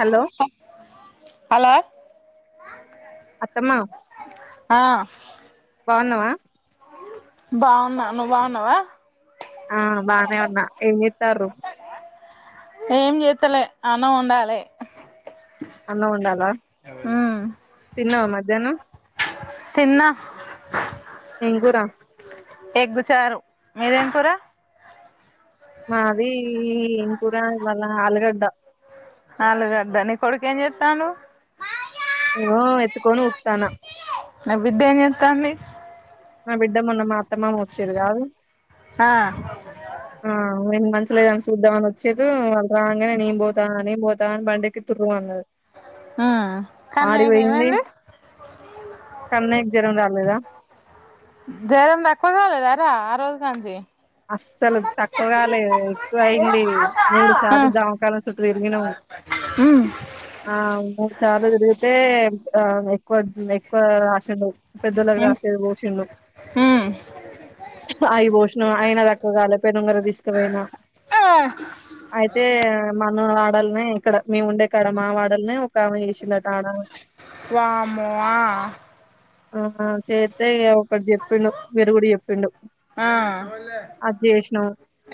Hello hello అత్తమ్మా ఆ ఆ బాగున్నావా బాగున్నా నువ్వు బాగున్నావా ఆ బానే ఉన్నా ఏం చెస్తారు ఏం చేస్తలే అన్నం ఉండాలి అన్నం వండాలా ఉమ్ తిన్నావా మరి దనా తిన్నా ఏం గూరా ఎగ్గుచారు మీరేం కూరా మాది ఈ ఇం కూరా ఇ మల్ ఆలుగడ్ డా ఆలుగడ్డ నీ కొడుకు ఏం చెత్తాండు ఇగో ఎత్తుకోనీ ఉప్తానా నా బిడ్డ ఏం చేస్తాంది ఆ బిడ్డ మొన్న మాత్తమామ వచ్చిరూ కాదు హా ఆ నేను మంచిలేదని చూద్దాం అని వచ్చిరు వాళ్ళు రాగానే నేను పోతా నేను పోతా అని బండి ఎక్కి తుర్రు మన్నది మ్మ్ కన్నయ్యకి ఆడిపోయింది ఏమైంది కన్నయకి జరం రాలేదా జ్వరం తక్కువ కాలేదరా ఆ రోజు కాంచి అస్సలు తక్కువగా లే ఎక్కువ అయింది మూడు సార్లు దమకాలం చుట్టూ తిరిగినాం ఆ మూడు సార్లు తిరిగితే ఆ ఎక్కువ ఆశలు పెద్దలగా ఉమ్ రాషే పోషిండు ఉమ్ సో అవి పోషి అయినా తక్కువ గాలే పెను ఉంగరం తీసుకుపోయినా అయితే మనం మా ఆడల్నే ఇక్కడ మేము ఉండే కాడ మా వాడల్నే ఒకమె చేసిందిట ఆడాలని వఅమో ఆ ఆహ చేతే ఒకటి చెప్పిండు వీరుగుడు చెప్పిండు ఆ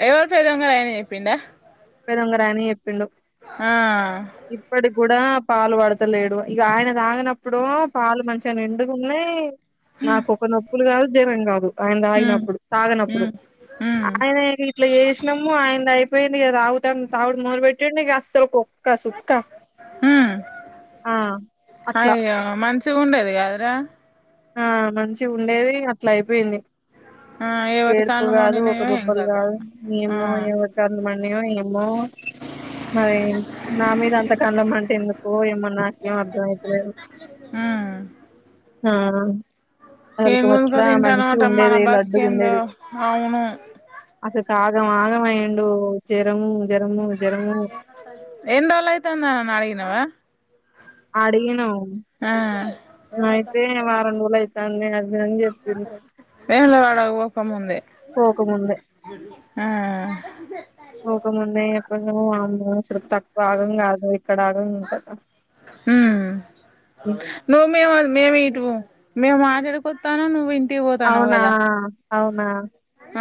ఎవ ఏదంగరయని చెప్పిడా పెన్ను ఉంగరం అని చెప్పిండు ఇప్పుడు కూడా పాలు పడతలేడు ఇక ఆయన దాగన ఇప్పుడు పాల మంచి చాలా నిండుగున్నయి నాకు ఒక నొప్పులు కాదు జ్వరం కాదు ఆయన హ్మ్ తాగినప్పుడు తాగనప్పుడు హ్మ్ హ్మ్ ప్పుడు ఆయన ఇట్లా చేసినము ఆయనది అయిపోయి రావుతం తాగుడు మొదల పెట్టిండు ఇగ అస్సలుకు ఒక్క సుక్క హమ్ ఆ అట్లా అయ్యో మంచి మంచిగ ఉండేది కాదరా ఆ మంచిగ ఉండేది అట్లా అయిపోయింది. ఆ ఒక ఏవతి ఏడుపు కాళ్ళు కాదు ఒక మండినయో ఏం బొబ్బలు కథో కాదు ఆ ఏమో ఏవరి కండ్లుమడినయో ఏమో మరి నా మీద అంత కళ్ళ మంట ఎందుకో ఏమ నాకేమ్ అర్ధమయిత లేదు. హ్మ్ ఆ ఏం అసలుకు గుంజుక అట్లా మంచి తింటానవట మన ఉండేది లడ్డుగా బతుకేందో ఉండేది అవును అసలు ఆగం ఆగమయిండు జరము జరము ఏన్ రోజులు అయితంది అని అడిగినవ అడినమ్ అయితే వారంరోలు అయితుంది. తాను తిన్నది వెేములవాడ వొక ముందే పోకముందే ఆ పోకముందే ఎప్పటి నుంచో అమ్మే అసలు తక్కువ. ఆగం కాదు ఎక్కడ ఆగం ఏం కత హమ్ నువే మే అ మేమే ఇటువొమ్. మేము మాట్లాడుకుతాను నువ్వు ఇ అవునా అవునా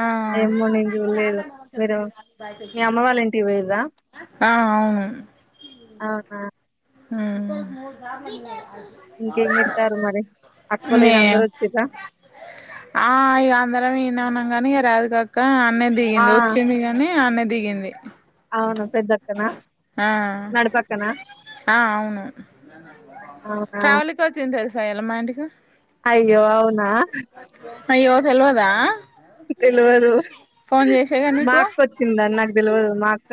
ఆ ఏమో నెన్ చూడలేదు మీరు మీ అమ్మ వాళ్ళ ఏంటి పోయిన్రా. ఆ అవును అవునా హ ఇంకేం చెత్తారు మరి అక్కోళ్ళు న గిన అందరు వచ్చిర్రా ఆ ఇ అందరము ఇడనే ఉన్నాము కాని ఇరాదికా అక్క ఆ నెన్దిగింది వచ్చింది కానీ అ దిగింది అవునా పెద్దక్కనా ఆ నడిపక్కనా ఆ అవును అవునా శైల మాంటికి అయ్యో అవునా [inaudible] అ్యయ్యో తెల్వదా తెలియదు ఫోన్ చేసేగా మాకుచ్చిందాని నాకు తెలియదు మాకు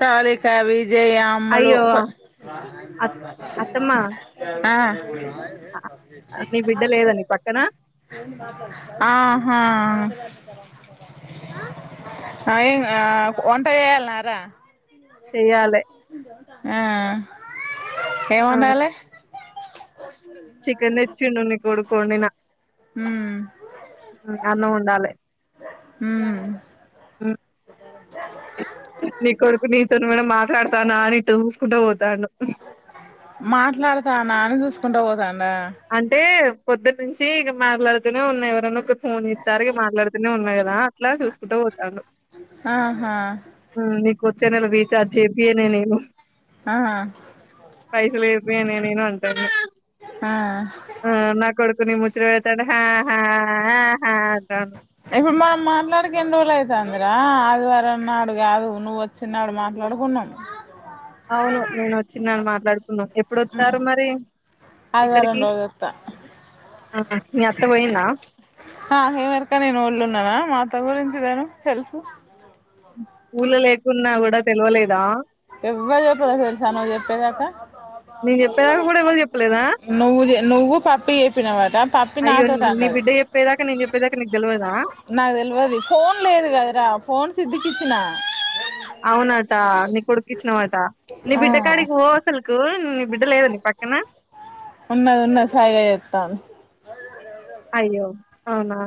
పవలిక విజయ్ అమ్లు అయ్యో అ అత్తమ్మ ఆ నీ బిడ్డ లేదా నీ పక్కన ఆహా [inaudible] ఆ ఏంగ్ ఒంట చేయాలన్నారా చెయ్యాలే [inaudible] ఆ ఆ ఏమంటాల చికెన్ తెచ్చి ఉండండి మీ కొడుకు కోడి నా మ్మ్ అన్నండాలి హ ఆ [inaudible] నీ కొడుకు నీతోను మాట్లాడతాను అని చూసుకుంటే పోతాను మాట్లాడతాను అని చూస్త ఉండ పోతను అంటే పొద్దు నుంచి ఇక మాట్లాడుతూనే ఉన్నాయి ఎవరని ఒక ఫోన్ ఇ తారికి మాట్లాడుతూనే ఉన్నాయి కదా అట్లా చూసుకుంటూ పోతాడు ఆహా కొచ్చేన రిచార్జిచేబియేనే నను ఆ పైస లేదు అని నేను అంటాను ఆ ఆ నా కొడుకుని ము చిర్ ఐతడు హ్యా హ్యా [unintelligible] ఇప్పుడు మనం మాట్లాడక ఎన్ని రోజులు ఐతాందిరా ఆదివారం నాడు గాదు నువ్వు వచ్చిన‌్నాడు మాట్లాడుకున్నాం అవును నేను వచ్చిండని మాట్లాడుకున్నాం ఎప్పుడొత్తారు మరి అదివారం ఇక్కడికి రోజొత్తా మీ అత్త పోయిందా ఆహ్ ఏం ఎరుక నేనోళ్ళున్నానా మా అత్త గురించి దేను తెలుసు ఊల లేకున్నా కూడా తెల్వలేదా ఎవ్వలూ చెప్పలే తెలుసా నువ్వు చెప్పేదాకా నేను చెప్పేదాకా కూడా ఎవరు చెప్పలేదా నువ్వు చె నువ్వు పప్పి చెప్పినవ్ అట పప్పి అయ్యో నాతోటి నీ అన్నది బిడ్డ చెప్పేదాకా నేను చెప్పేదాకా నీకు తెలవదా నాకు తెల్వది ఫోన్ లేదు కదురా ఫోన్ సిద్ధికిచ్చినా అవునట నీ కొడుక్కిచ్చినవా నీ బిడ్డ ఆ కాడికి పో అసలు కు ని ఉన్నది ఉన్నది సైగ చేత్తాన్ అయ్యో అవునా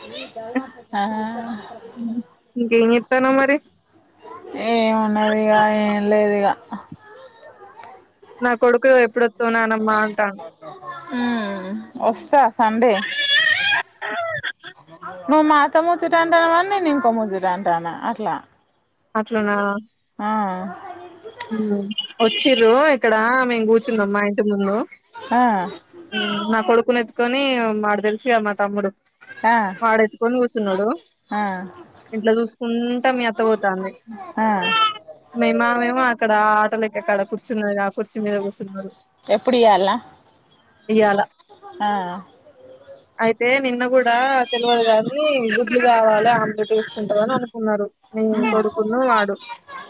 ఆహ్ తనావు మరి ఏమున్నది ఇగ ఏం లేదు ఇగ నా కొడుకు ఎప్పుడో తోనా నాకు మాట ఉమ్ వస్తా సండే నువ్వు మాతో ముచ్చట అంటానావని నేను ఇంకో ముచ్చట అంటానా అట్లా అట్లనా ఆ వచ్చిర్రు ఇక్కడ మేం కూర్చున్నాం మా ఇంటి ముందు ఆ నా కొడుకు నెత్ కొని మాడు తెలుసుగా మా తమ్ముడు ఆ వాడు ఎత్తుకొని కూసున్నాడు ఆ ఇంట్లో చూసుకుంటా మీ అత్త పోతాంది ఆ మీ మామేమో క్కడ ఆటలెక్కే కాడ కుర్చున్నది గా ఎప్పుడు ఇయ్యాలనా ఇయ్యాల ఆ అయితే నిన్న గూ డా తెల్వదు గానీ గు జులు కావాలి అందు తీసుకుంటావ అని అనుకున్నారు నేను ఉమ్ కొడుకున్న వాడు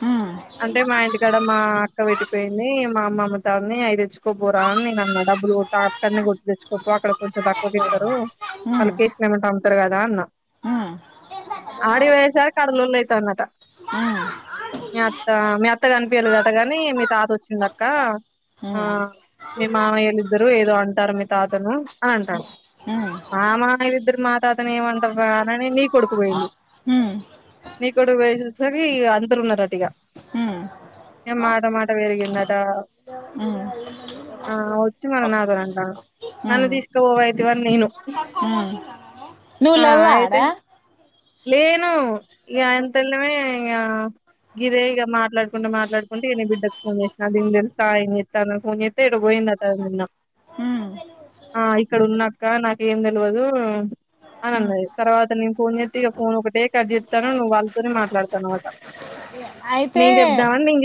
ఉమ్ అంటే మా ఇంటి ఆ అక్క విడిపోయింది మా మమతా ని అయి వచ్చు తక్కువ పోరా అని నేను అన్నా డబ్బులు కొట్ట అక్కడనే కొట్టి తెచ్చుకోప్పు అక్కడ కొంచం తక్కువ ఇత్తారు ఉమ్ వాళ్ళకేసినమంట ఇత్తారు కదా అన్న ఆడి పోయెసరికి ఆడ లొల్లి అయితాంది అంట ఉమ్ ఉమ్ ఉమ్ ఉమ్ ఉమ్ మీ అత్త అత్త కనిపియలేదు అంటగాని మీ తాత వచ్చిందక్క ఆ మీ మామయ్యళిద్దరు ఏదో అంటారు మీ తాతను అని అంటాడు ఉమ్ మా మామ మా తాత అతను ఏమంటారు అనిని నీ కొడుకు పోయిండు నీ కొడుకు పోయిసేసరి అందరు ఉన్నారట ఇగా ఏ మాట మాట పెరిగింద ఉమ్ ఉమ్ ఆ వచ్చి మన నాద అంట నన్ను తీసుకుపోవాయితివే అని నేను ఉమ్ నువ్వు ఆ లేవ్వా ఆడ అయితే లేను ఇ ఎంతల్వే గిరేగ మా మాట్లాడుకుంట మాట్డుకుంటే ఈ బిడ్డకి ఫోన్ చేసినా దీ తేల్స్ సాయం చే తన ఫోన్ చెత్తే ఎడపోయిందట నిన్న ఉమ్ ఆ ఇక్కడ ఉన్నా అక్క నాకు ఏంది తెల్వదు అని ఉమ్ అన్నది తరువత నేను ఫోన్ చెత్ ఒకటే కథ చెప్తాను నువ్వు వాళ్ళతోనే మాట్లాడతున్నావు అట అయితే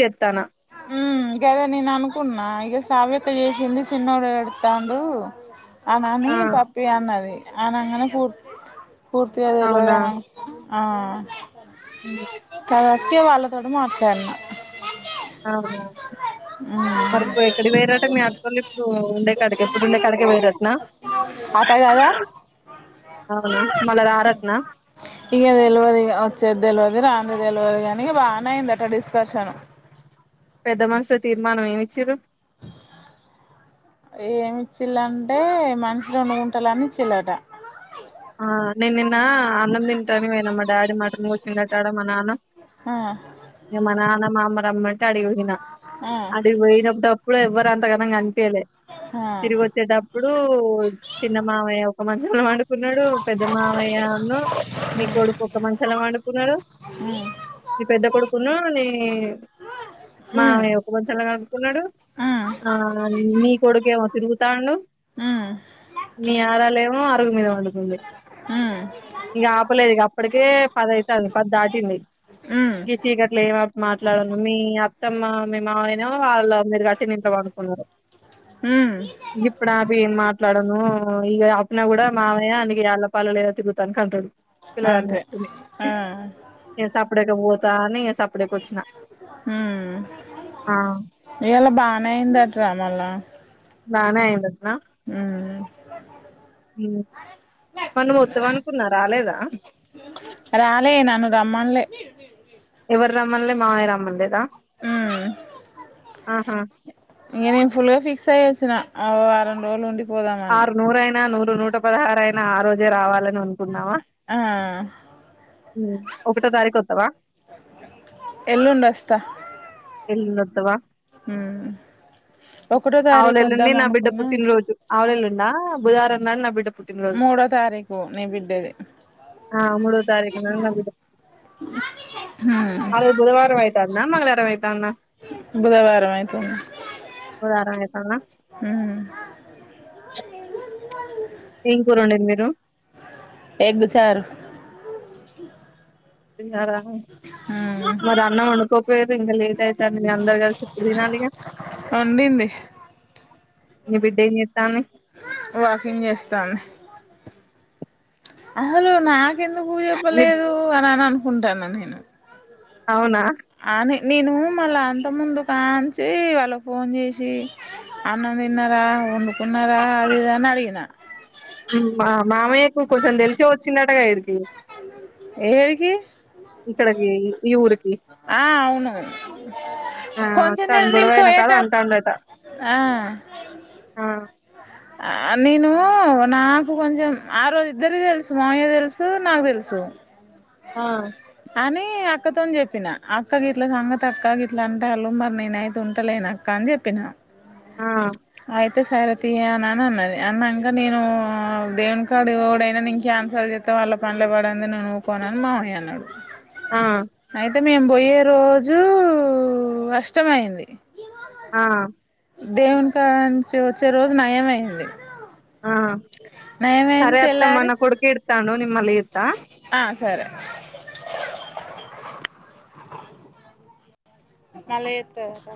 చేత్తాన్న ఆహ్ గదా నేను అనుకున్నా ఇక సావి పక్క చేసింది చిన్నోడు ఏడుతాండు అనాని ఆ పప్పి అన్నది అనంగానే కు పూర్తిగా తెలవదు నాకు ఆ అవును ఉక్కే వాళ్ళా తోటిడ మాట్లాన్నా అవునా ఉమ్ మరి ఇప్పుడు ఎక్కడికి పోయిండ్రీ అట మీ అత్తోళ్లు ఇప్పుడు ఉండే కాటికే ఎప్పుడు ఉండే కాటికే పోయిండ్రి అట నా అట కదా అవునా మల్లా రారు అట నా రాంధ తెలియదు కానీ బాగానే అయిందిట డిస్కర్షన్ పెద్ద మనుషుల తీర్మానం ఏమి ఇచ్చిండ్రు. ఏమిచ్చిల్లంటే మనుషులును గుంటాల అనిచిల్లట ఆ నే నిన్న అన్నం తింటానివేన మా డాడీ మ ో సింగ తాడ మానాన్న ఆ ఏ మానాన్న మా అమ్మ అమ్మాట ఆడి ఊగిన ఆ అది పోయినప్పుడు అప్పుడు ఎవ్వరు దాంతో ఏ పని కాదు పే ఆ తిరుగుతే డబ్బ ఇప్పుడు చిన్నమావయ్య ఒక మంచి డుకున్నాడు పెద్ద మామయ్యను నీ కొడుకు ఒక మంచంలో పడుకున్నాడు ఉమ్ నీ పెద్ద కొడుకును నీ ఉమ్ మామయ్య ఒక మంచంలో పడుకున్నాడు ఉమ్ ఆ నీ కొడుకునేమో తిరుగుతాండూ ఉమ్ నీ ఆలాలేమో మీ పడుకుంది హ ఇప్పటికే పదైతంది పది దాటింది ఉమ్ ఈ సీకట్లో ఏమి మాట్లాడను మీ అత్తమ్మ మీ మావయ్య నేమో వాళ్ళ మీరు గట్టి నింట్లో పడుకున్నారు ఉమ్ ఇప్పుడు ఆపి మాట్లాడను ఇక అప్పున కూడా మామయ్య ఆనకి యాళ్ళపాల లేదా తిప్పుదానికి అంటాడు అంతే పిల్లగానేసుకుని ఆ నెన్ సపరేట్ గా పో తా న అసప్పుడ కుచ్చనా ఇవలా బాగానే అయిందా డ్రామలా బానే అయ్యిండు హ్మ్మ్ మనమొద్దం అనుకున్నారా లేదా పలె ఎవరు రామన్లే మావయరమ్మన్లేదా అ ఆహా ఇంక నేను ఫుల్గా ఫిక్స్ అయ్యి వచ్చినా ఆ వారం రోజులు ఉండి ఆరు నూరయినా నూ నూట పదహారు అయిన ఆ రోజే రావాలని అనుకున్నావా ఆ ఒకటో తారీకు వస్తావా ఎల్లుండి వస్తా ఎల్లుండి వస్తావా ఉమ్ ఒకటో తారీఖు ఆవులెల్లుండి వద్దాం నా బిడ్డ అనుకున్నా పుట్టినరోోజు ఆవులెల్ళండి డా బుధారం నాడు నా బిడ్డ పుట్టిన రోజు మూడో తారీఖు నీ బిడ్డది ఆ మూడో తారీఖు న విధ ఉమ్ అ బుధవారం అయితాది నా మంగళారం అ బుధవారం అతుంది రారాత అ ఏం కూరండేది మీరు ఎగ్గు చారు విర ఉమ్ మరి అన్న ఉనకో వేరు లేట్తే త మీ అందరగాసిప్పు దనాలిగా వండింది ఇ బిడ్డఎంజేతంది వాకింగ్ చేస్తాను అసలు నా క ఎందుకు పువ నీ చెప్పలేదు అని అన్నాను హుందాన నేను అవునా అని నేను మలా అంత మ దుకాన్ వచ్చి వాళ్ళకి ఫోన్ చేసి అన్నం తిన్నారా వండుకున్నారా అది ఇదా అని అడిగిన మామయ్యకు కొంచెం తెలిసి వచ్చిన అకి ఏరికి ఇక్కడికి ఈ ఊరికి ఆ అవును ఆ కొంచెం నేల వత్తాండు నిం గొడవైన కాడ పోయట అంటాండట ఆ ఆ నేను నాకు కొంచెం ఆ రోజు ఇద్దరికి తెలుసు మాయ్య తెలుసు నాకు తెలుసు ఆ అని అక్కతోని చెప్పిన అక్క గ ఇట్లా సంగతి అక్క గ ఇట్లా అంటే వాళ్ళు మరి నేనయితే ఉంటలేను అక్క అని చెప్పినా ఆ ఆయితే సార తీ అనని అన్నది అన్నాంక నేను దేవుని కాడుయుడైనా ఇంకా కన్సల్ చేస్తతే వాళ్ళ పనుల పడింది నేనుఊరు కోనని మామయ అన్నాడు. ఆ అయితే మేము పోయే రోజు అష్టమ అయింది ఆ దేవు కాళ వచ్చ రోజు నయం అయింది ఆ సరే అత్తమ్మ నా కుడుకిడతాను నిమ్ మల ఇత్తా ఆ సరే మాళయతే రా